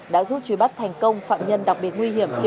đã giúp truy bắt thành công